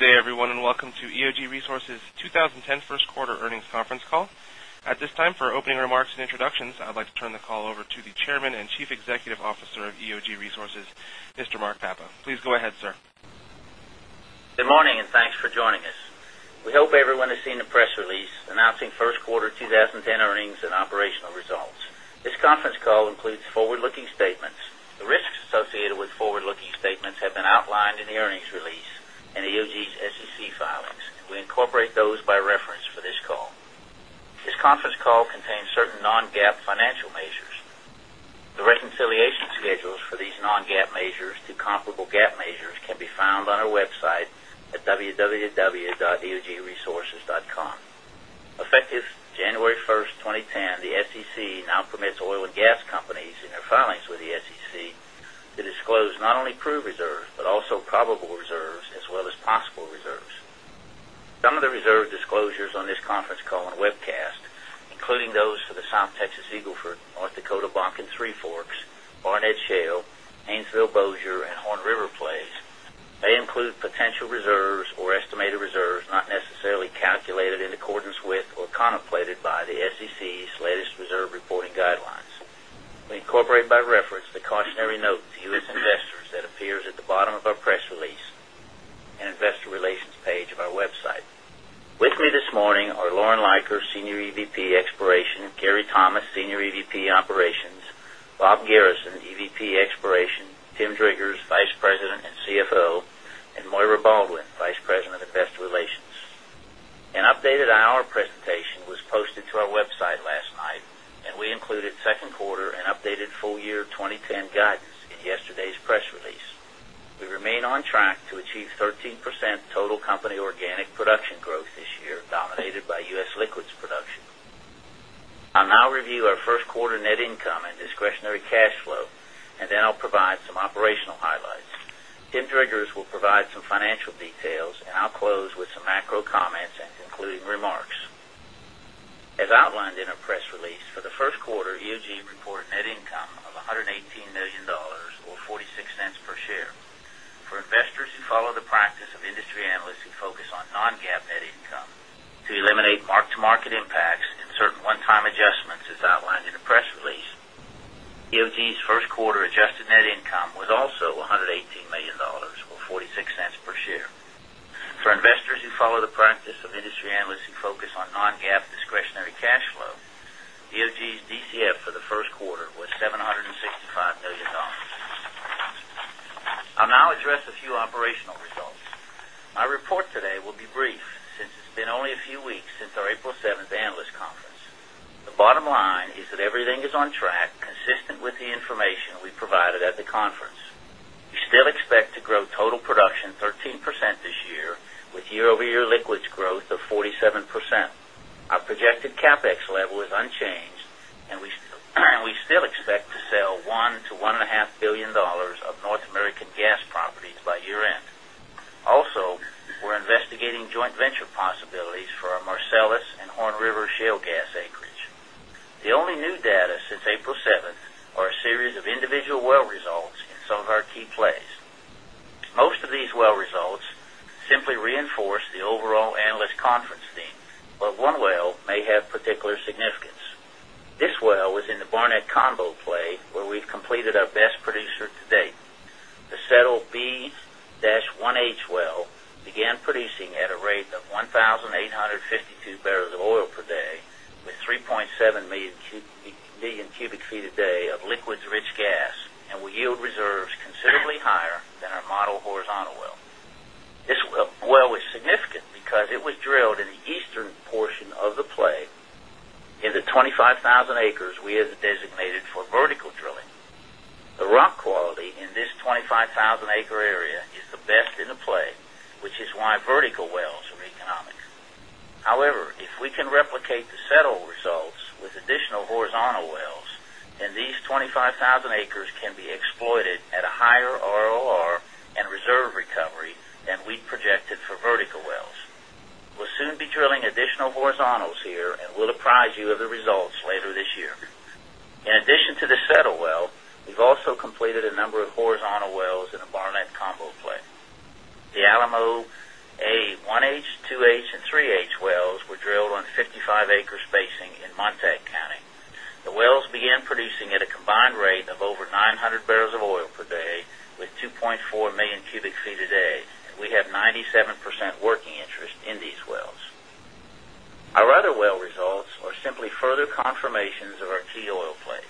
Day, everyone, and welcome to EOG Resources' 20 10 First Quarter Earnings Conference Call. At this time, for opening remarks and introductions, I'd like to turn the call over to the Chairman and Chief Executive Officer of EOG Resources, Mr. Mark Papa. Please go ahead, sir. Good morning and thanks for joining us. We hope everyone has seen the press release announcing Q1 20 10 earnings and operational results. This conference call includes forward looking statements. The risks associated with forward looking statements have been outlined in the earnings release and EOG's SEC filings, and we incorporate those by reference for this call. This conference call contains certain non GAAP financial measures. The reconciliation schedules for these non GAAP measures to comparable GAAP measures can be found on our website at www.eogresources.com. Effective January 1, 2010, the SEC now oil and gas companies in their filings with the SEC to disclose not only proved reserves, but also probable reserves as well as possible reserves. Some of the reserve disclosures on this conference call and webcast, including those for the South Texas Eagle Ford, North Dakota Bonk and Three Forks, Barnett Shale, HaynesvilleBossier and Horn River plays, they include potential reserves or estimated reserves not necessarily calculated in accordance with or contemplated by the SEC's latest reserve reporting guidelines. We incorporate by reference the cautionary note to you as investors that appears at the bottom of our press release and Investor Relations page of our website. With me this morning are Lauren Leiker, Senior EVP Exploration Gary Thomas, Senior EVP Operations Bob Garrison, EVP, Exploration Tim Driggers, Vice President and CFO and Moira Baldwin, Vice President of Investor Relations. An updated IR presentation was posted to our website last night and we included Q2 and updated full year 2010 guidance sell $1,000,000,000 to $1,500,000,000 of North American Gas properties by year end. Also, we're investigating joint venture possibilities for our Marcellus and Horn River Shale Gas Acreage. The only new data since April 7 are a series of individual well results in some of our key plays. Most of these well results simply reinforce the overall analyst conference theme, but one well may have particular significance. This well was in the Barnett combo play where we've completed our best producer to date. The settled B-1H well began producing at a rate of 18.50 2 barrels of oil per day with 3,700,000 cubic feet a day of liquids rich gas and we yield reserves considerably higher than our model horizontal well. This well is significant because it was drilled in the eastern portion of the play In the 25,000 acres, we have designated for vertical drilling. The rock quality in this 25,000 acre area is the best in the play, which is why vertical wells are economic. However, if we can replicate the settle results with additional horizontal wells and these 25,000 acres can be exploited at a higher ROR and reserve recovery than we projected for vertical wells. We'll soon be drilling additional horizontals here and will apprise you of the results later this year. In addition to the settle well, we've also completed a number of horizontal wells in the Barnett combo play. The Alamo A-1H, 2H and 3H wells were drilled on 55 acre spacing in Montag County. The wells began producing at a combined rate of over 900 barrels of oil per day with 2,400,000 cubic feet a day and we have 97% working interest in these wells. Our other well results are simply further confirmations of our key oil plays.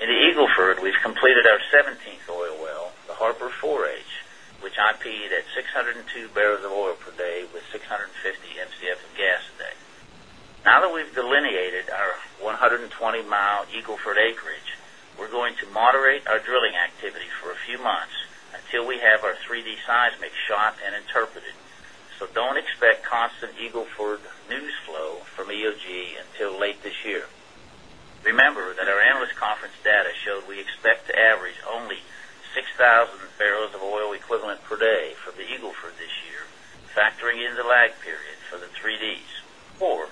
In the Eagle Ford, we've completed our 17th oil well, the Harbor 4H, which IP ed at 602 barrels of oil per day with 6 50 Mcf of gas a day. Now that we've delineated our 120 mile Eagle Ford acreage, we're going to moderate our drilling activity for a few months until we have our 3 d seismic shot and interpreted. So don't expect constant Eagle Ford news flow from EOG until late this year. Remember that our analyst conference data showed we expect to average only 6,000 barrels of oil equivalent per day for the Eagle Ford this year factoring in the lag period for the 3Ds. Or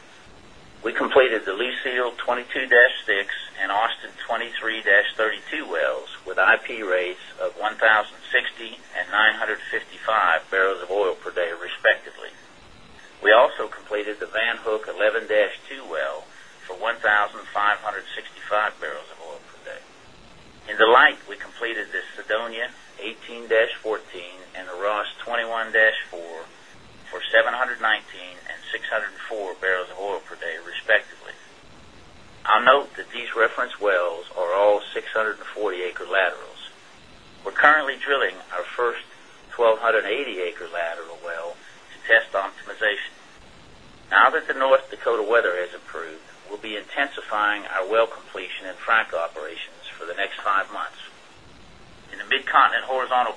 we completed the Lucille twenty two-six and Austin twenty three-thirty two wells with IP rates of 10.60 and 9.55 barrels of oil per day respectively. We also completed the Van Hook eleven-two well for 15 65 barrels of oil per day. In the light, we completed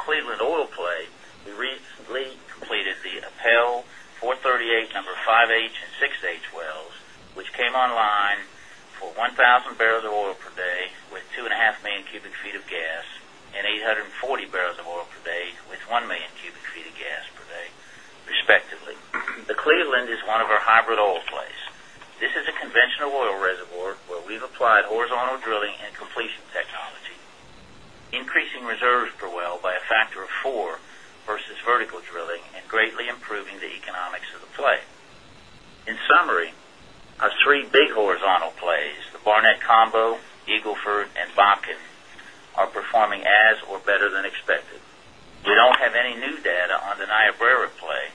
Cleveland oil play, we recently completed the Appel 438 5H and 6H wells, which came online for 1,000 barrels of oil per day with 2,500,000 cubic feet of gas and 840 barrels of oil per day with 1,000,000 cubic feet of gas per day, respectively. The Cleveland is one of our hybrid oil plays. This is a conventional oil reservoir where we've applied horizontal drilling and completion technology. Increasing reserves per well by a factor of 4 versus vertical drilling and greatly improving the economics of the play. In summary, our 3 big horizontal plays, the Barnett Combo, Eagle Ford and Botkin are performing as or better than expected. We don't have any new data on the Niobrara play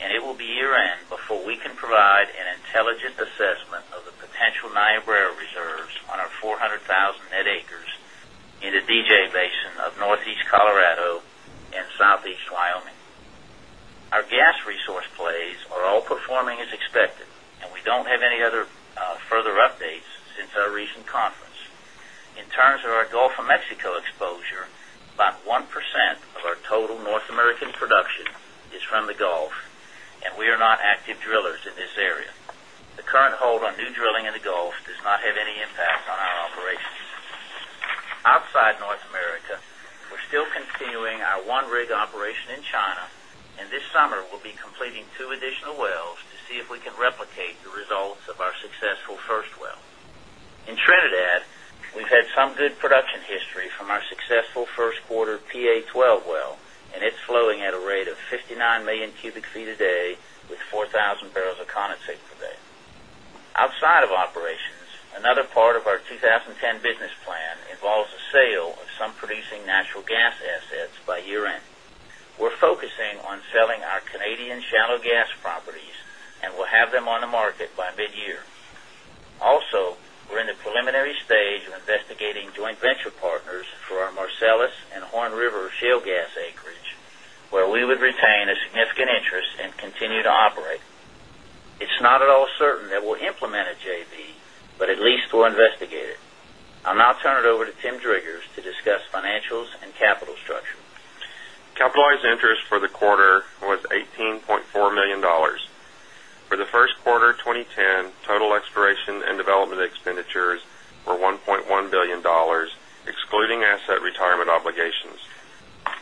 and it will be year end before we can provide an intelligent assessment of the potential Niobrara reserves on our 400,000 net acres in the DJ Basin of Northeast Colorado and Southeast Wyoming. Our gas resource plays are all performing as expected and we don't have any other further updates since our recent conference. In terms of our Gulf of Mexico exposure, about 1% of our total North American production is from the Gulf and we are not active drillers in this area. The current hold on new drilling in the Gulf does not have any impact on our operations. Outside North America, we're still continuing our 1 rig operation in China. And this summer, we'll be completing 2 additional wells to see if we can replicate the results of our successful first well. In Trinidad, we've had some good production history from our successful first quarter PA-twelve well and it's flowing at a rate of 59,000,000 cubic feet a day with 4,000 barrels of condensate per day. Outside of operations, another part of our 20 10 business plan involves the sale of some producing natural gas assets by year end. We're focusing on selling our Canadian shallow gas properties and we'll have them on the market by mid year. Also, we're in the preliminary stage of investigating joint venture partners for our Marcellus and Horn River shale gas acreage, where we would retain a significant interest and continue to operate. It's not at all certain that we'll implement a JV, but at least we'll investigate it. I'll now turn it over to Tim Driggers to discuss financials and capital structure. Capitalized interest for the quarter was $18,400,000 For the Q1 of 2010, total exploration and development expenditures were $1,100,000,000 excluding asset retirement obligations.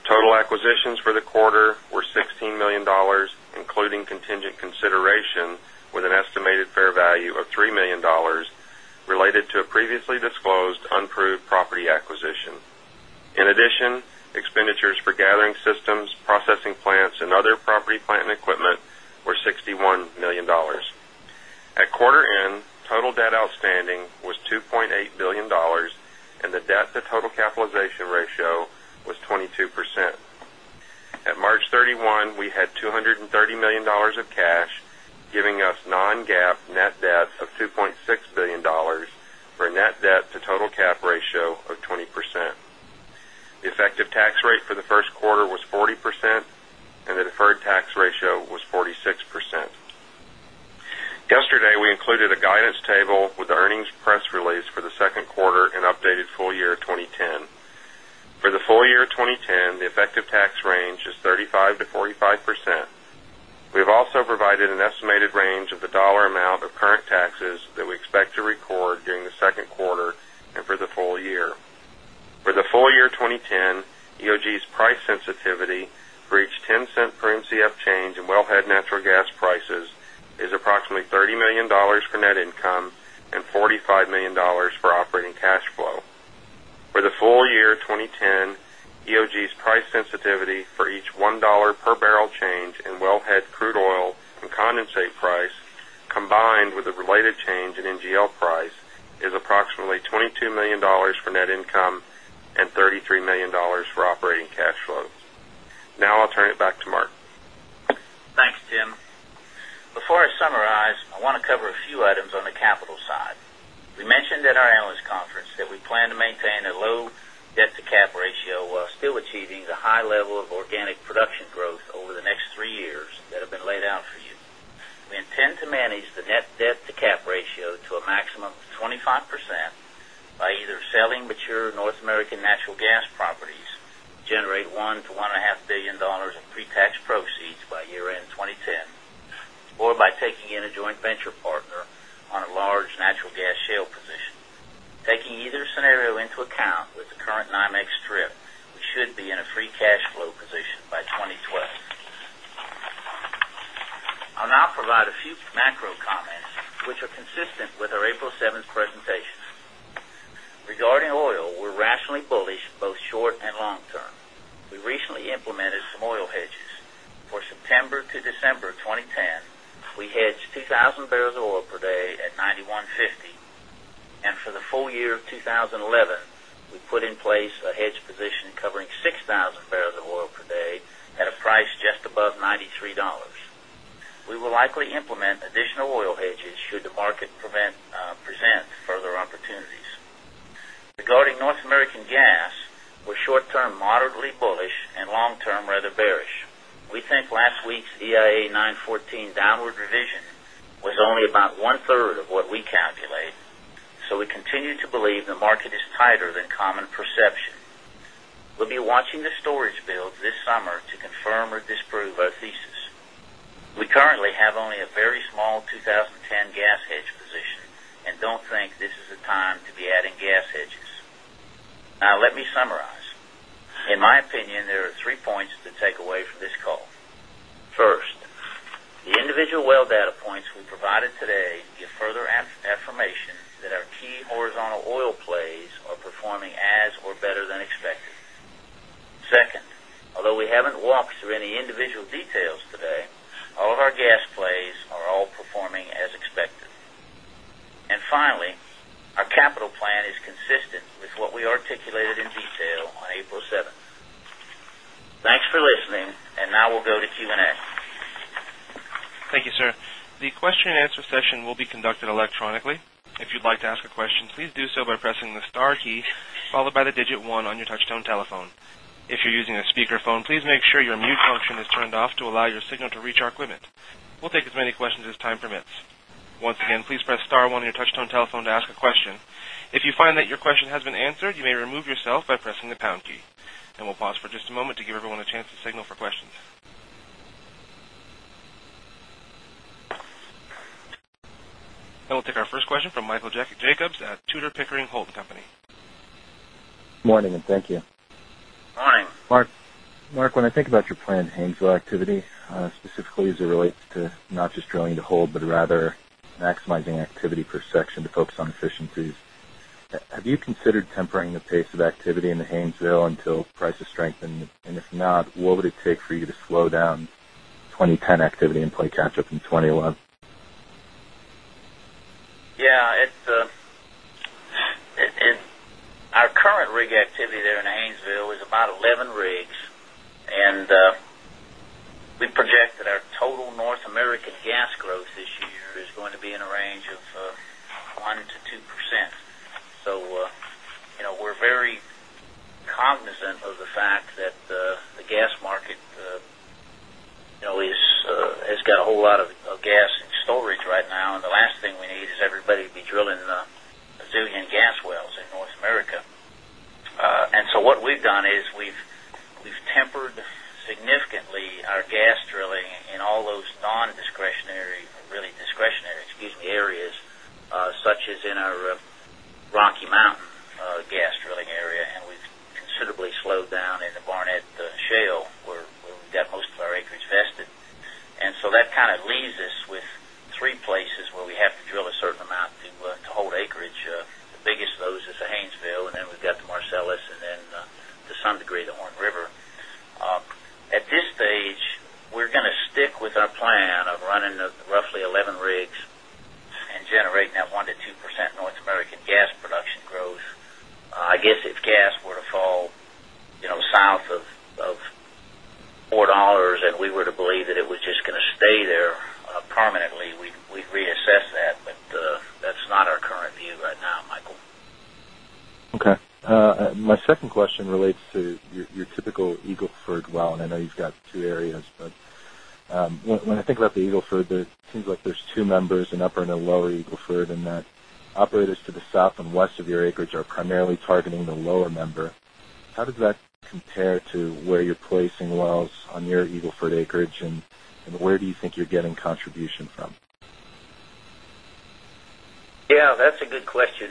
Total acquisitions for the quarter were $16,000,000 including contingent consideration an estimated fair value of $3,000,000 related to a previously disclosed unproved property acquisition. In addition, expenditures for gathering systems, processing plants and other property plant and equipment were $61,000,000 At quarter end, total debt outstanding was $2,800,000,000 and the debt to total capitalization ratio was 22%. At March 31, we had $230,000,000 of cash giving us non GAAP net debt of $2,600,000,000 for a net debt to total cap ratio of 20%. The effective tax rate for the Q1 was 40% and the deferred tax ratio was 46%. Yesterday, we included a guidance table with the earnings press release for the Q2 and updated full year 2010. For the full year 2010, the effective tax range is 35% to 45%. We have also provided an estimated range of the dollar amount of current taxes that we expect to record during the Q2 and for the full year. For the full year 2010, EOG's price sensitivity reached $0.10 per Mcf change in wellhead natural gas prices is approximately $30,000,000 for net income and $45,000,000 for operating cash flow. For the full year 2010, EOG's price sensitivity for each $1 per barrel change in wellhead crude oil and condensate price combined with the related change in NGL price is approximately $22,000,000 for net income and $33,000,000 for operating cash flow. Now, I'll turn it back to Mark. Thanks, Tim. Before I summarize, I want to cover a few items on the capital side. We mentioned at our analyst conference that we plan to maintain a low debt to cap ratio while still achieving the high level of organic production growth over the next 3 years that have been laid out for you. We intend to manage the net debt to cap ratio to a maximum of 25% by either selling mature North American natural gas properties generate $1,000,000,000 to $1,500,000,000 of pre tax proceeds by year end 2010 or by taking in a joint venture partner on a large natural gas shale position. Taking either scenario into account with the current NYMEX strip, we should be in a free cash flow position by 20 12. I'll now provide a few macro comments, which are consistent our April 7 presentations. Regarding oil, we're rationally bullish both short and long term. We recently implemented some oil hedges. For September to December 2010, we hedged 2,000 barrels of oil per day at $91.50 and for the full year of 2011, we put in place a hedge position covering 6,000 barrels of oil per day at a price just above $93 We will likely implement additional oil hedges should the market present further opportunities. Regarding North American gas, we're short term moderately bullish and long term rather bearish. We think last week's EIA-nine fourteen downward revision was only about 1 third of what we calculate. So we continue to believe the market is tighter than common perception. We'll be watching the storage build this summer to confirm or disprove our thesis. We currently have only a very small 2010 gas hedge position and don't think this is a time to be adding gas hedges. Now let me summarize. In my opinion, there are 3 points to take away from this call. First, the individual well data points we provided today give further affirmation that our key horizontal oil plays are performing as or better than expected. 2nd, although we haven't walked through any individual details today, all of our gas plays are all performing as expected. And finally, our capital plan is consistent with what we articulated in detail on April 7. Thanks for listening. And now we'll go to Q and A. Thank you, sir. The will take our first question from Michael Jacobs at Tudor, Pickering, Holt and Company. Good morning and thank you. Good morning. Mark, when I think about your planned Haynesville activity, specifically as it relates to not just drilling to hold, but rather maximizing activity per section to focus on efficiencies. Have you considered tempering the pace of activity in the Haynesville until prices strengthen? And if not, what would it take for you to slow down 2010 activity and play catch up in 2011? Yes. Our current rig activity there in Haynesville is about 11 rigs and we project that our total North American gas growth this year is going to be in a range of 1% to 2%. So we're very cognizant of the fact that the gas market always has got a whole lot of gas storage right now and the last thing we need is everybody to be drilling the zillion gas wells in North America. And so what we've done is we've tempered significantly our gas drilling in all those non discretionary really discretionary, excuse me, areas such as in our Rocky Mountain gas drilling area and we've considerably slowed down in the Barnett Shale where we've got most of our acreage vested. And so that kind of leaves us with 3 places where we have to drill a certain amount to hold acreage. The biggest of those is the Haynesville and then we've got the Marcellus and then to some degree the Horn River. At this stage, we're going to stick with our plan of running roughly 11 rigs and generating that 1% to 2% North American gas production growth. I guess if gas were to fall south of $4 and we were to believe that it was just going to stay there permanently, we'd reassess that. But that's not our current view right now, Michael. Okay. My second question relates to your typical Eagle Ford well, and I know you've got two areas. But when I think about the Eagle Ford, it seems like there's 2 members an upper and a lower Eagle Ford and that operators to the south and west of your acreage are primarily targeting the lower member. How does that compare to where you're placing wells on your Eagle Ford acreage and where do you think you're getting contribution from? Yes, that's a good question.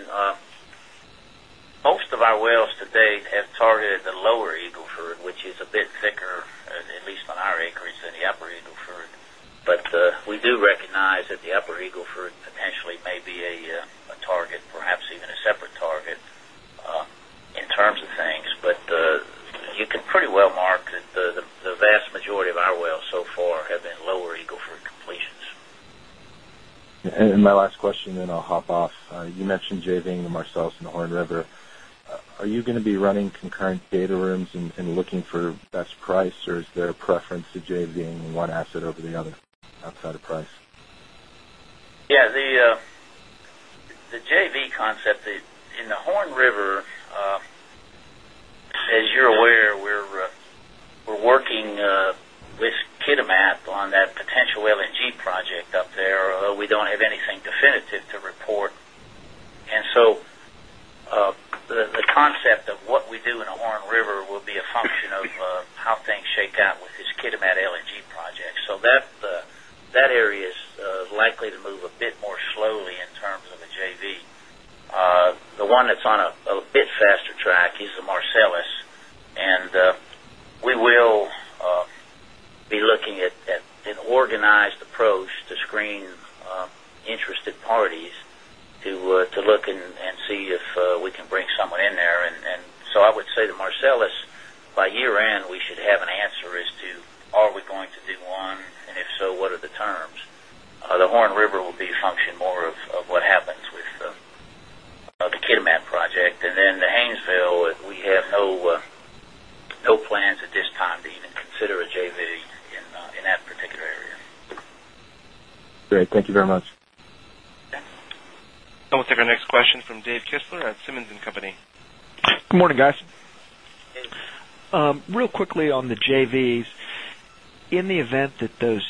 Most of our wells to date have targeted the lower Eagle Ford, which is a bit thicker at least on our acreage than the upper Eagle Ford. But we do recognize that the Upper Eagle Ford potentially maybe a target perhaps even a separate target in terms of things. But you can pretty well mark that the vast majority of our wells so far have been lower Eagle Ford completions. And my last question and then I'll hop off. You mentioned JVing the Marcellus and Horn River. Are you going to be running concurrent data rooms and looking for best price or is there a preference to JV ing 1 asset over the other outside of price? Yes. The JV concept in the Horn River, as you're aware, we're working with Kitimat on that potential LNG project up there. We don't have anything definitive to report. And so the concept of what we do in O'Horn River will be a function of how things shake out with this Kitimat LNG project. So that area is likely to move a bit more slowly in terms of a JV. The one that's on a bit faster track is the Marcellus and we will be looking at an organized approach to screen interested parties to look and see if we can bring someone in there. And so I would say to Marcellus, by year end, we should have an answer as to are we going to do 1? And if so, what are the terms? The Horn River will be a function more of what happens with the Kitimat project. And then the Haynesville, we have no plans at this time to even consider a JV in that particular area. Great. Thank you very much. And we'll take our next question from Dave Kistler at Simmons and Company. Good morning, guys. Hey. Real quickly on the JVs, in the event that those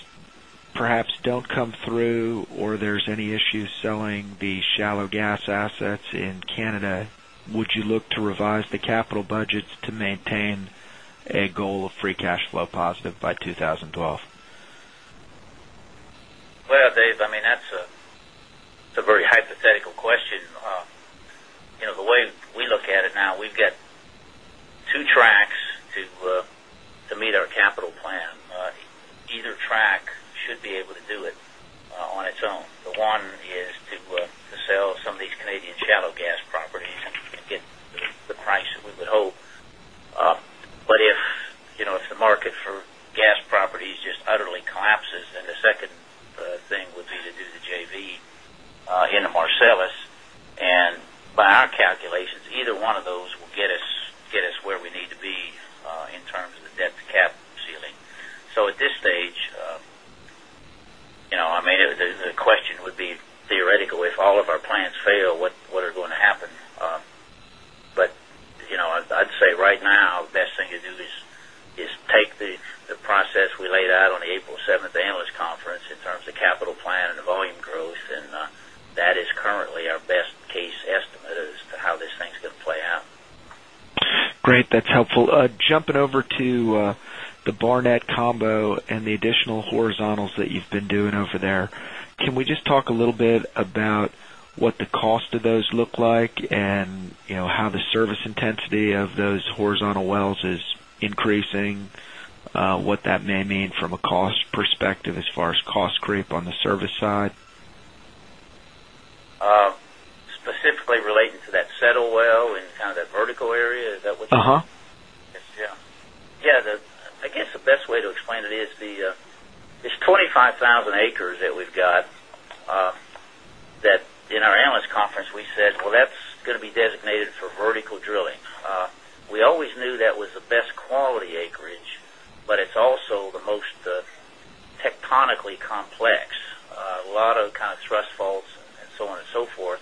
perhaps don't come through or there's any issues selling the shallow gas assets in Canada, would you look to revise the capital budgets to maintain a goal of free cash flow positive by 2012? Well, Dave, I mean, that's a very hypothetical question. The way we look at it now, we've got 2 tracks to meet our capital plan. Either track should be able to do it on its own. The one is to sell some of these Canadian shallow gas properties and get the price that we would hope. But if the market for gas properties just utterly collapses, then the second thing would be to do the JV into Marcellus. And by our calculations, either one of those will get us where we need to be in terms of the debt to cap ceiling. So at this stage, I mean, the question would be theoretical if all of our plans fail, what are going to happen. But I'd say right now, the best thing to do is take the process we laid out on the April 7 Analyst Conference in terms of capital plan and the volume growth and that is currently our best case estimate as to how this thing is going to play out. Great. That's helpful. Jumping over to the Barnett combo and the additional horizontals that you've been doing over there. We just talk a little bit about what the cost of those look like and how the service intensity of those horizontal wells is increasing, what that may mean from a cost perspective as far as cost creep on the service side? Specifically related to that settle well and kind of that vertical area, is that what Uh-huh. Yes. I guess the best way to explain it is the 25,000 acres that we've got that in our analyst conference we said, well, that's going to be designated for vertical drilling. We always knew that was the best quality acreage, but it's also the most tectonically complex, a lot of kind of thrust faults and so on and so forth.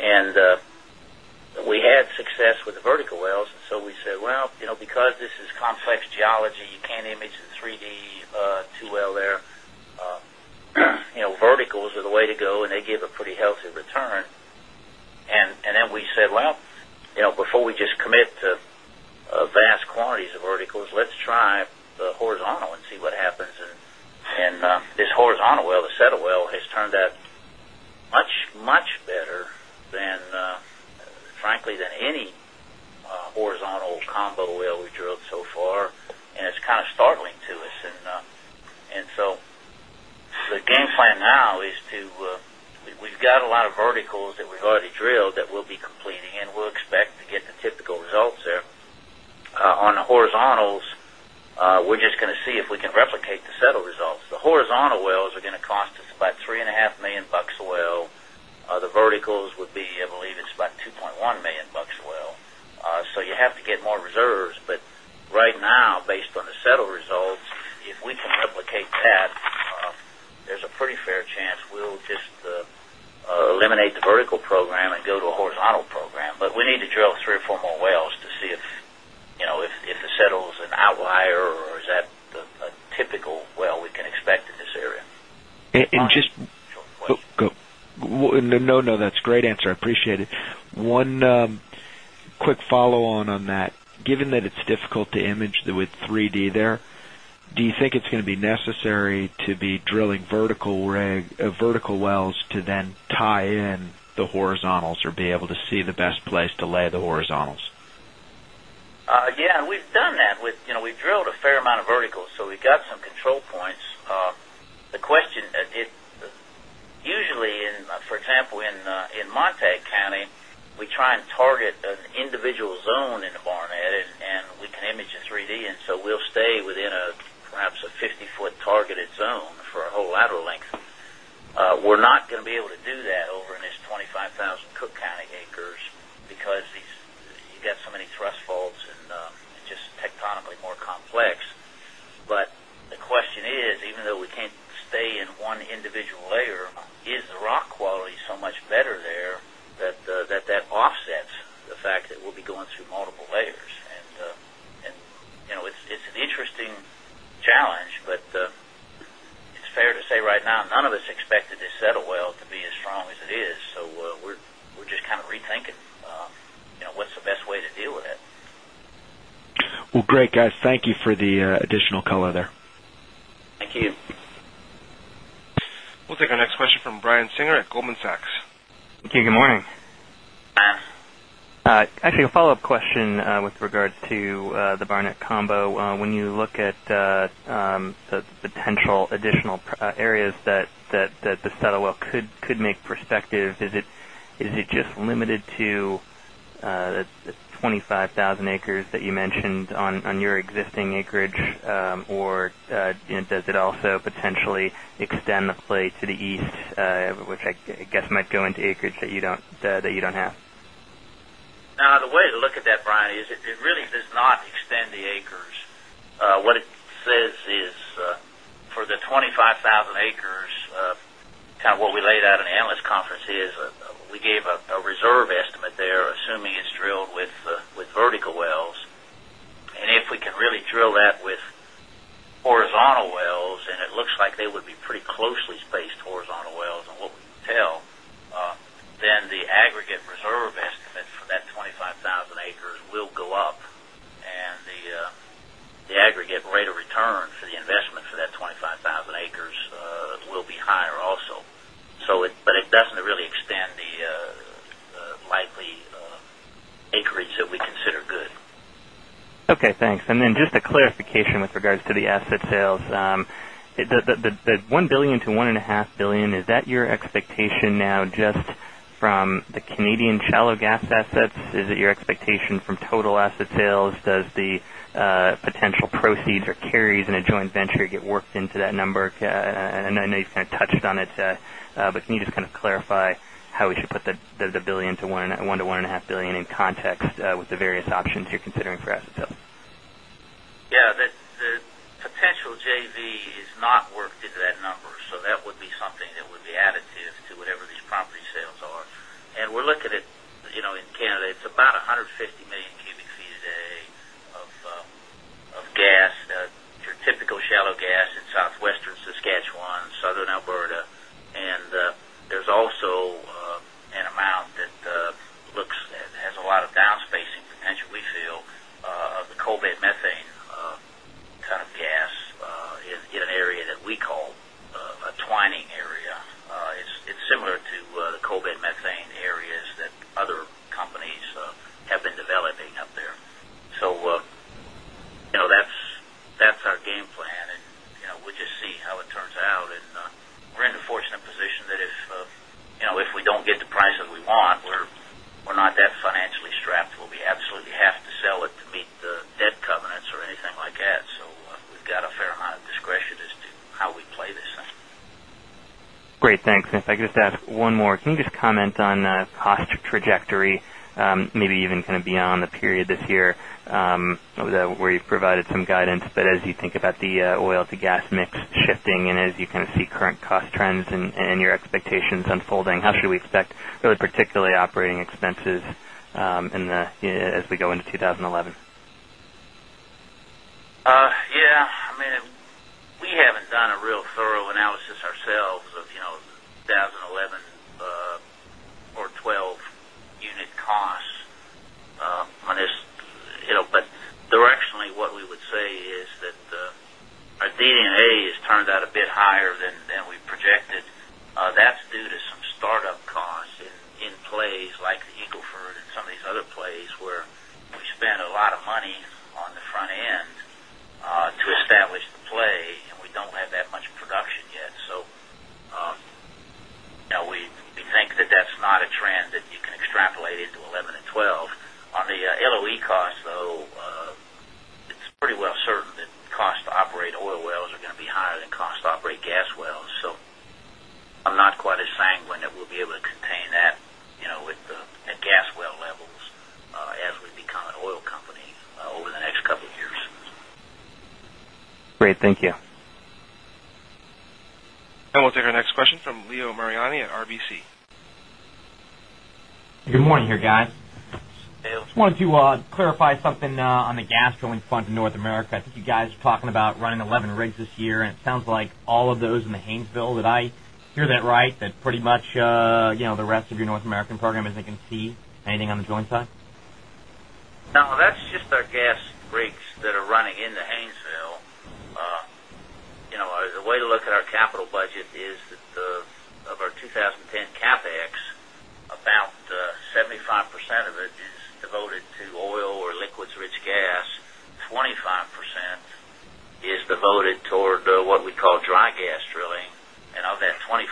And we had success with the vertical wells. So we said, well, because this is complex geology, you can't image the 3 d 2 well there. Verticals are the way to go and they give a pretty healthy return. And then we said, well, before we just commit to vast quantities of verticals, let's try the horizontal and see what happens. And this horizontal well, the settle well has turned out much, much better than frankly than any horizontal combo well we drilled so far and it's kind of startling to us. And so the game plan now is to we've got a lot of verticals that we've already drilled that we'll be completing and we'll expect to get the typical results there. On the horizontals, we're just going to see if we can replicate the settled results. The horizontal wells are going to cost us about $3,500,000 a well. The verticals would be I believe it's about $2,100,000 a well. So you have to get more reserves. But right now based on the settled results, if we can replicate that, there's a pretty fair chance we'll just eliminate the vertical program and go to a horizontal program. But we need to drill 3 or 4 more wells to see if it settles an outlier or is that a typical well we can expect in this area. And just no, no, that's a great answer. I appreciate it. One quick follow on on that. Given that it's difficult to image with 3 d there, do you think it's going to be necessary to be drilling vertical wells to then tie in the horizontals or be able to see the best place to lay the horizontals? Yes, and we've done that with we've drilled a fair amount of verticals. So we've got some control points. The question that usually in for example in Montague County, we try and target an individual zone in the Barnett and we can image in 3 d and so we'll stay within perhaps a 50 foot targeted zone for a whole lateral length. We're not going to be able to do that over in this 25,000 Cook County Acres because you got so many thrust faults and just tectonic more complex. But the question is even though we can't stay in one individual layer is rock quality so much better there that that offsets the fact that we'll be going through multiple layers. And it's an interesting challenge, but it's fair to say right now, none of us expected to settle well to be as strong as it is. So we're just kind of rethinking what's the best way to deal with it. Well, great guys. Thank you for the additional color there. Thank you. We'll take our next question from Brian Singer at Goldman Sachs. Thank you. Good morning. Actually a follow-up question with regards to the Barnett combo. When you look at the potential additional areas that the Settlewell could make perspective? Is it just limited to 20 5,000 acres that you mentioned on your existing acreage? Or does it also potentially extend the play to the East, which I guess might go into acreage that you don't have? Now the way to look at that, Brian, is it really does not extend the acres. What it says is for the 25,000 acres kind of what we laid out in analyst conference is we gave a reserve estimate there assuming it's drilled with vertical wells. And if we can really drill that with horizontal wells and it looks like they would be pretty closely spaced horizontal wells and what we can tell then the aggregate reserve estimate for that 25,000 acres will go up and the aggregate rate of return for the investment for that 25,000 acres will be higher also. So it but it doesn't really extend the likely acreage that we consider good. Okay, thanks. And then just a clarification with regards to the asset sales. The $1,000,000,000 to $1,500,000,000 is that your expectation now just from the Canadian shallow gas assets? Is it your expectation from total asset sales? Does the potential proceeds or carries in a joint venture get worked into that number? And I know you've kind of touched on it, but can you just kind of clarify how we should put the $1,000,000,000 to $1,500,000,000 in context with the various options you're considering for assets? Yes. The potential JV is not worked into that number. So that would be something that would be additive to whatever these property sales are. And we're looking at in Canada, it's about 150,000,000 cubic feet a day of gas, your typical shallow gas in South Western Saskatchewan, Southern Alberta. And there's also an amount that looks has a lot of downspacing potentially feel of the coalbed methane kind of gas in an area that we call a twining area. It's similar to the cobit methane areas that other companies have been developing up there. So that's our game plan and we'll just see how it turns out. And we're in a fortunate position that if we don't get the price that we want, we're not that financially strapped. We'll be absolutely have to sell it to meet the debt covenants or anything like that. So we've got a fair amount of discretion as to how we play this thing. Great. Thanks. And if I could just ask one more. Can you just comment on cost trajectory, maybe even kind of beyond the period this year, where you've provided some guidance. But as you think about the oil to gas mix shifting and as you kind of see current cost trends and your expectations unfolding, how should we expect really particularly operating expenses in the as we go into 20 11? Yes. I mean, we have thorough analysis ourselves of 2011 or 2012 unit costs on this. But directionally what we would say is that our DD and A has turned out a bit higher than we projected. That's due to some startup costs in place like the Eagle Ford and some of these other plays where we spend a lot of money on the front end to establish the play and we don't have that much production yet. So we think that that's not a trend that you can extrapolate into 11 and 12. On the LOE cost though, it's pretty well certain that cost to operate oil wells are going to be higher than cost to operate gas wells. So I'm not quite as saying when that we'll be able to contain that with the gas well levels as we become an oil company over the next couple of years. Great. Thank you. And we'll take our next question from Leo Mariani at RBC. Good morning here guys. Just wanted to clarify something on the gas drilling front in North America. I think you guys are talking about running 11 rigs this year and it sounds like all of those in the Haynesville that I hear that right that pretty much the rest of your North American program as they can see anything on the joint side? No, that's just our gas rigs that are running in the Haynesville. The way to look at our capital budget is that of our 2010 CapEx about 75% of it is devoted to oil or liquids rich gas, 25% is devoted toward what we call dry gas drilling. And of that 25%,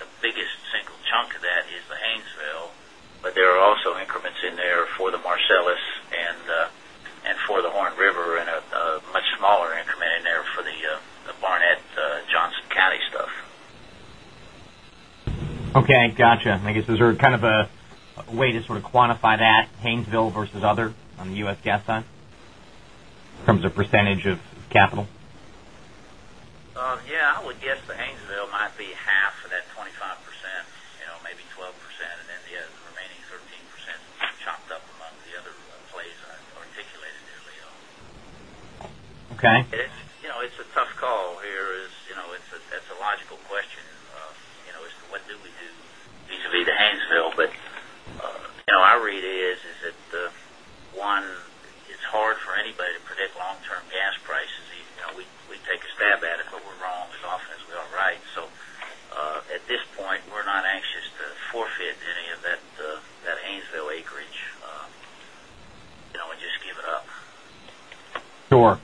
the biggest single chunk of that is the Haynesville. But there are also increments in there for the Marcellus and for the Horn River and a much smaller increment in there for the Barnett Johnson County stuff. Okay. Got you. And I guess is there kind of a way to sort of quantify that Haynesville versus other on the U. S. Gas side in terms of percentage of capital? Yes. I would guess the Haynesville might be half of that 25 percent, maybe 12% and then the remaining 13% chopped up among the other plays I articulated there, Leo. Okay. It's a tough call here. It's a logical question as to what do we do vis a vis the Haynesville. But I read is that one, it's hard for anybody to predict long term gas prices. We take a stab at it, but we're wrong as often as we are right. So at this point, we're not anxious to forfeit any of that Haynesville acreage Don't we just give it up? Sure.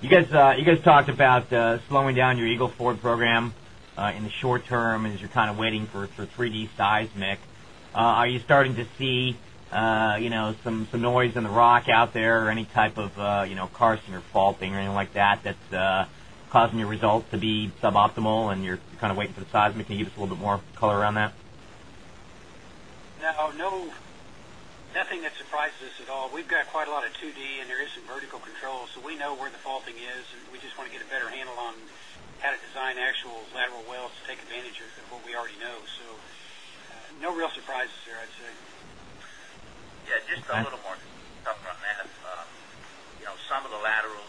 You guys talked about slowing down your Eagle Ford program in the short term as you're kind of waiting for 3 d seismic. Are you starting to see some noise in the rock out there or any type of karsten or faulting or anything like that that's causing your results to be suboptimal and you're waiting for the seismic? Can you give us a little bit more color around that? No, nothing that surprises us at all. We've got quite a lot of 2 d and there is some vertical control. So we know where the faulting is and we just want to get a better handle on how to design actual lateral wells to take advantage of what we already know. So no real surprises here, I'd say. Yes. Just a little more stuff on that. Some of the laterals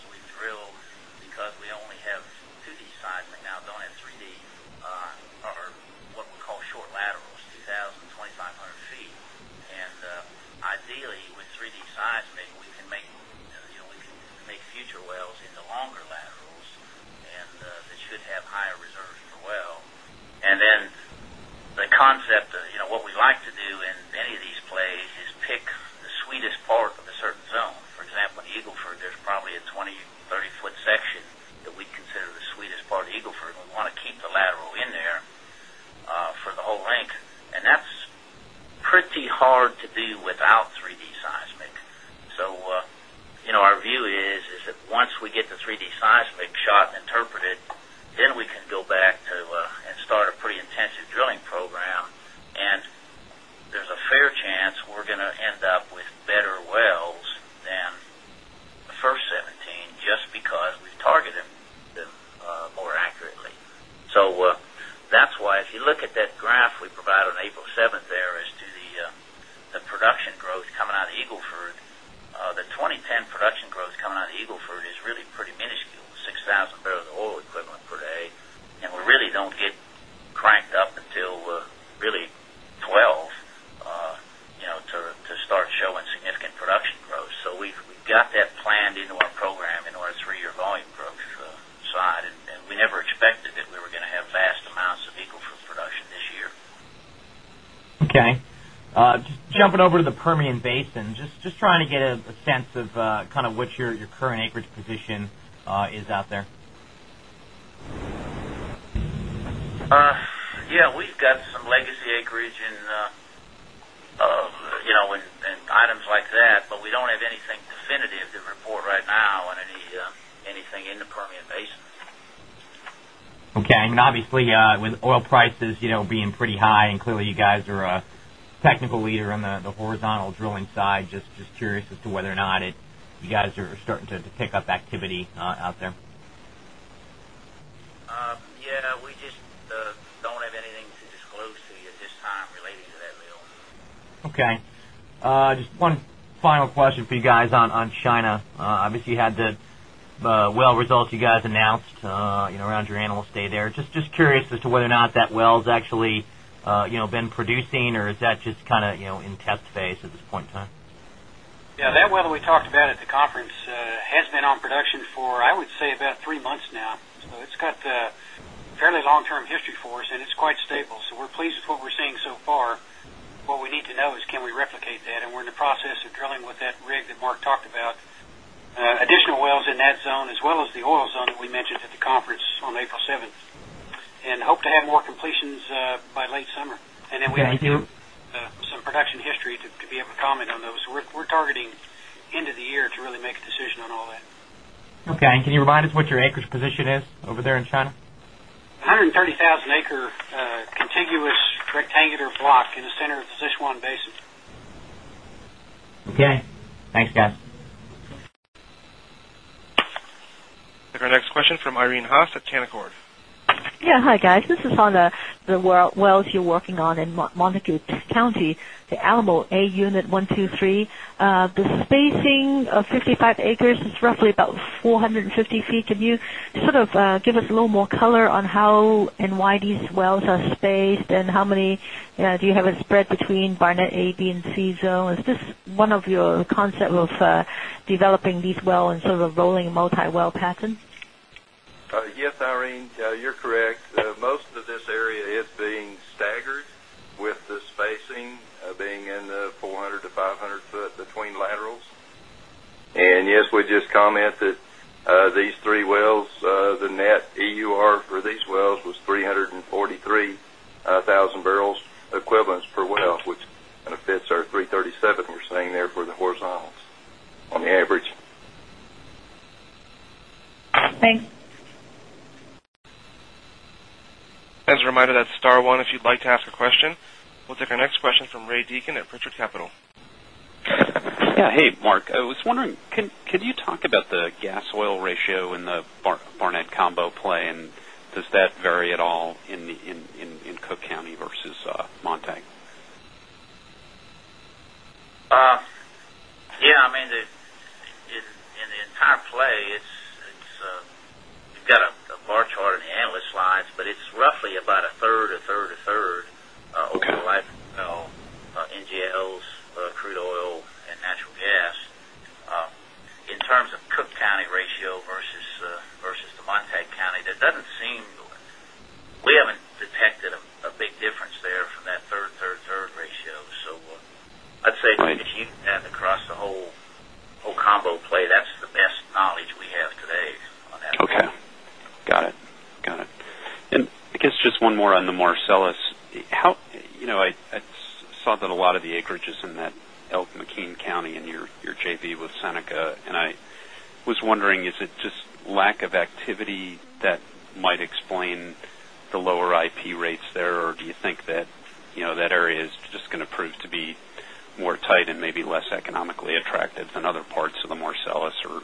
a technical leader on the horizontal drilling side. Just curious as to whether or not you guys are starting to pick up activity out there? Yes. We just don't have anything to disclose to you at this time related to that mill. Okay. Just one final question for you guys on China. Obviously, you had the well results you guys announced around your Animal Stay there. Just curious as to whether or not that well has actually been producing or is that just kind of in test phase at this point in time? Yes. That well that we talked about at the conference has been on production for I would say about 3 months now. So it's got a fairly long term history for us and it's quite stable. So we're pleased with what we're seeing so far. What we need to know is can we replicate that and we're in the process of drilling with that rig that Mark talked about. Additional wells in that zone as well as the oil zone we mentioned at the conference on April 7 and hope to have more completions by late summer. And then we have to do some production history to be able to comment on those. We're targeting end of the year to really make a decision on all that. Okay. And can you remind us what your acreage position is over there in China? 1 130,000 acre contiguous rectangular block in the center of Sichuan Basin. Okay. Thanks guys. We'll take our next question from Irene Haas at Canaccord. Yeah. Hi guys. This is on the wells you're working on in Montague County, the Alamo A Unit 1, 2, 3. The spacing of 55 acres is roughly about 4 50 feet. Can sort of give us a little more color on how and why these wells are spaced? And how many do you have a spread between Barnett A, B and C zone? Is this one of your concept of developing these wells and sort of rolling multi well pattern? Yes, Irene. You're correct. Most of this area is being staggered with the spacing being in the 400 to 500 foot between laterals. And yes, we just commented these 3 wells, the net EUR for these wells was 343 1,000 barrels equivalents per well, which kind of fits our 3.37 we're seeing there for the horizontals on the average. Thanks. We'll take our next question from Ray Deacon at Pritchard Capital. Mark, I was wondering, could you talk about the gas oil ratio in the Barnett combo play and does that vary at all in Cook County versus Montag? Yes, I mean, in the entire play, it's got a bar chart in the analyst slides, but it's roughly about a third, a third, a third of the life of NGLs, crude oil and natural gas. In terms of Cook County ratio versus the Montag County, that doesn't seem we haven't detected a big difference there from that 3rd, 3rd, 3rd ratio. So I'd say if you have across the whole combo play that's the best knowledge we have today. Okay, got it. And I guess just one more on the Marcellus. How I saw that a lot of the acreage is in that Elk McKean County and your JV with Seneca. And I was wondering, is it just lack of activity that might explain the lower IP rates there? Or do you think that that area is just going to prove to be more tight and maybe less economically attractive than other parts of the Marcellus or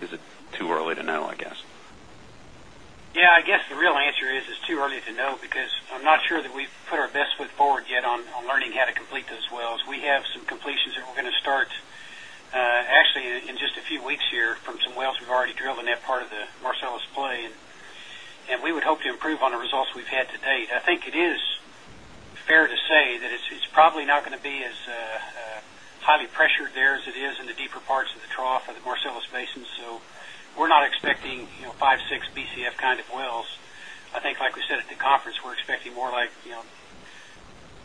is it too early to know, I guess? Yes, I guess the real answer is, it's too early to know because I'm not sure that we've put our best foot forward yet on learning how to complete those wells. We have some completions that we're going to start actually in just a few weeks here from some wells we've already drilled in that part of the Marcellus play. And we would hope to improve on the results we've had to date. I think it is fair to say that it's probably not going to be as highly pressured there as it is in the deeper parts of the trough of the Marcellus Basin. So we're not expecting 5, 6 Bcf kind of wells. I think like we said at the conference, we're expecting more like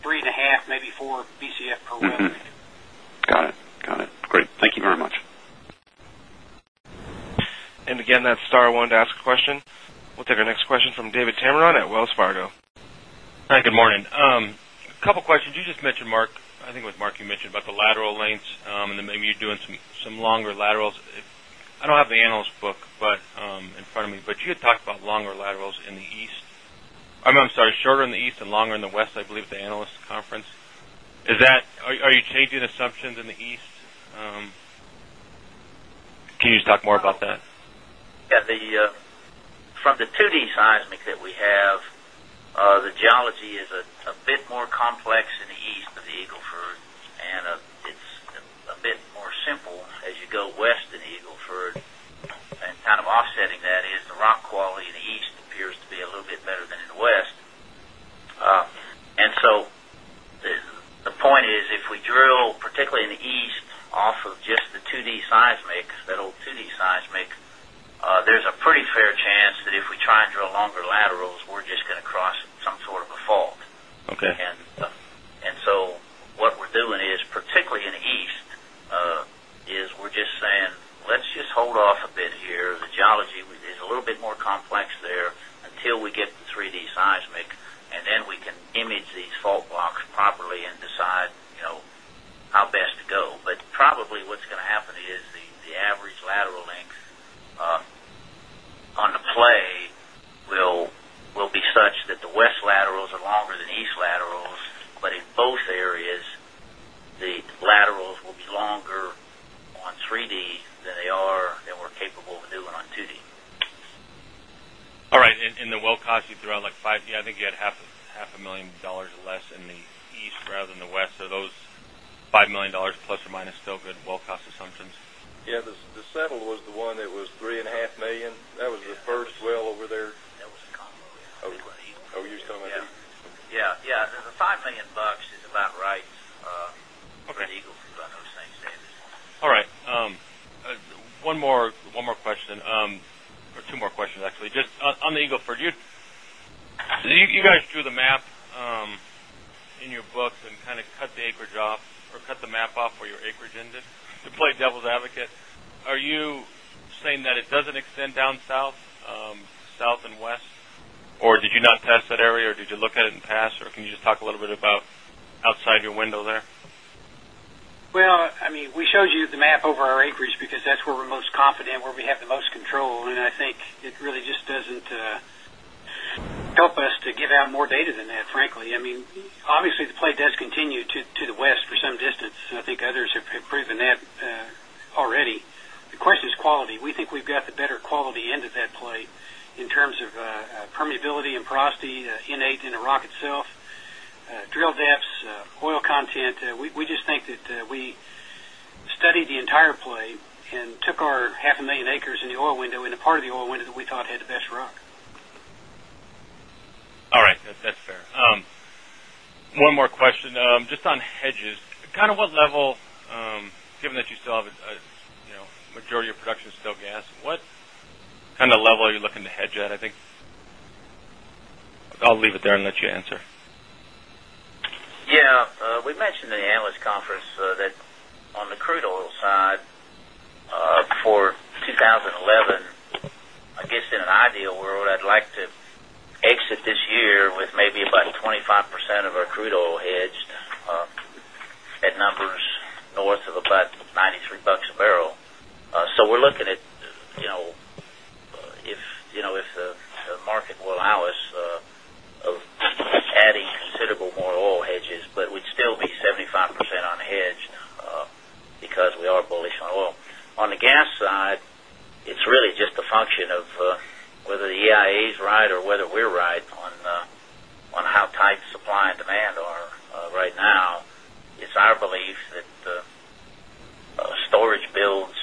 3.5, maybe 4 Bcf per well. Got it, great. Thank you very much. We'll take our next question from David Tamarone at Wells Fargo. Hi, good morning. A couple of questions. You just mentioned, Mark, I think it was Mark you mentioned about the lateral lengths and then maybe you're doing some longer laterals. I don't have the analyst book in front of me, but you had talked about longer laterals in the East. I'm sorry, shorter in the East and longer in the West, I believe at the Analyst Conference. Is that are you changing assumptions in the East? Can you just talk more about that? Yes. From the 2 d seismic that we have, the geology is a bit more complex in the East of the Eagle Ford and it's a bit more simple as you go West in Eagle Ford and kind of offsetting that is the or two more questions actually. Just on the Eagle Ford, you guys drew the map in your books and kind of cut the acreage off or cut the map off for your acreage ended to play devil's advocate. Are you saying that it doesn't extend down south, south and west or did you not test that area or did you look at it in the past or can you just talk a little bit about outside your window there? Well, I mean, we showed you the map over our acreage because that's where we're most confident, where we have the most control. And I think it really just doesn't help us to give out more data than that frankly. I mean, obviously, the play does continue to the west for some distance. I think others have proven that already. The question is quality. We think we've got the better quality into that play in terms of permeability and porosity in 8 in Iraq itself, drill depths, oil content. We just think that we studied the entire play and took our 500,000 acres in the oil window and the part of the oil window that we thought had the best One more question, just on hedges, kind of what level given that you still have a majority of production is still gas, what kind of level are you looking to hedge at? I think I'll leave it there and let you answer. Yes. We mentioned in the analyst conference that on the crude oil side for 2011, I guess in an ideal world, I'd like to exit this year with maybe about 25% of our crude oil hedged at numbers north of about $93 a barrel. So we're looking at if the market will allow us of adding considerable more oil hedges, but we'd still be 75% unhedged because we are bullish on oil. On the gas side, it's really just a function of whether the EIA is right or whether we're right on how tight supply and demand are right now. It's our belief that storage builds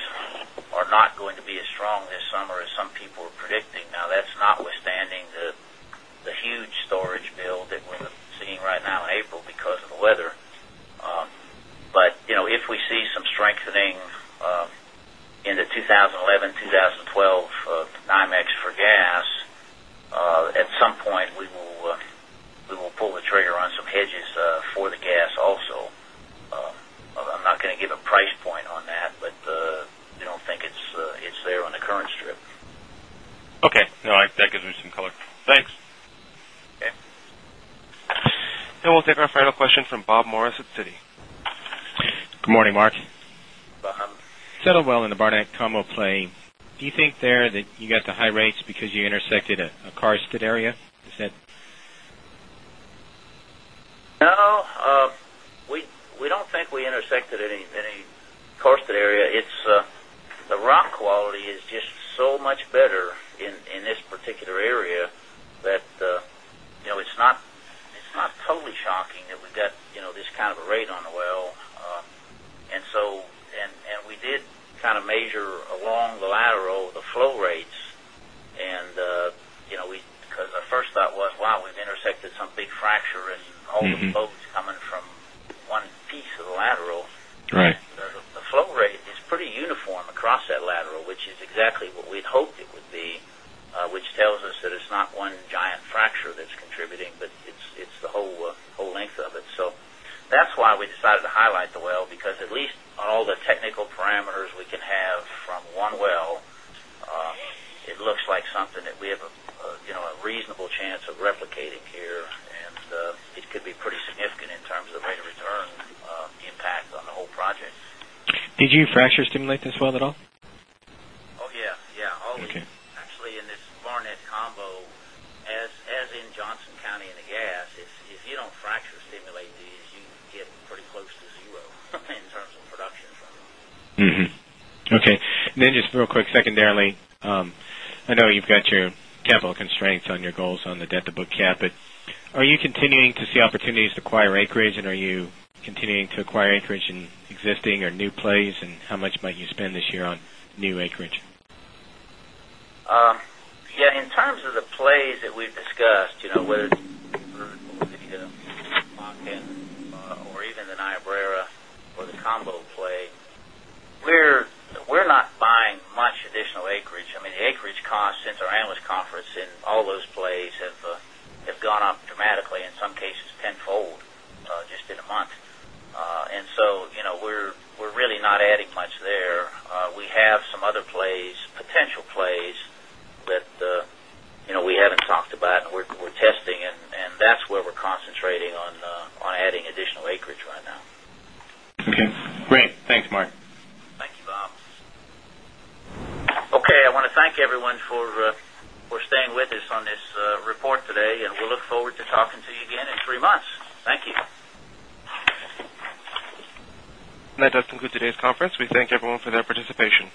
are not going to be as strong this summer as some people are predicting. Now that's notwithstanding the huge storage build that we're seeing right now in April because of the weather. But if we see some strengthening in the 2011, 2012 NYMEX for gas, At some point, we will pull the trigger on some hedges for the gas also. I'm not going to give a price point on that, but I don't think it's there on the current strip. Okay. That gives me some color. Thanks. And we'll take our final question from Bob Morris at Citi. Good morning, Mark. Good morning. Settle well in the Barnett combo play. Do you think there that you got the high rates because you intersected a car stood area? Is that No. We don't think we intersected any costed area. It's the rock quality is just so much better in this particular area that it's not totally shocking that we've got this kind of a rate on the well. And so and we did kind of measure along the lateral the flow rates and we because our first thought was while we've intersected some big fracture and all the folks coming from one piece of the lateral. The flow rate is pretty uniform across that lateral, which is exactly what we'd hoped it would be, which tells us that it's not one giant fracture that's contributing, but it's the whole length of it. So that's why we decided to highlight the well because at least all the technical parameters we can have from one well, it looks like something that we have a reasonable chance of replicating here and it could be pretty significant in terms of rate of return impact on the whole project. Did you fracture stimulate this well at all? Yes. Actually in this Barnett combo as in Johnson County and the gas, if you don't fracture stimulate these you get pretty close to 0 in terms of production. Okay. And then just real quick secondarily, I know you've got your capital constraints on your goals on the debt to book cap. But are you continuing to see opportunities to acquire acreage? And are you continuing to acquire acreage in existing or new plays and how much might you spend this year on new acreage? Yes, in terms of the plays that we've discussed, whether it's or even the Niobrara or the combo play, We're not buying much additional acreage. I mean, acreage costs since our analyst conference in all those plays have gone up dramatically, in some cases, tenfold just in a month. And so we're really not adding much there. We have some other plays, potential plays that we haven't talked about and we're testing and that's where we're concentrating on adding additional acreage right now. Okay, great. Thanks, Mark. Thank you, Bob. Okay. I want to thank everyone for Thank you. That does conclude today's conference. We thank everyone for their participation.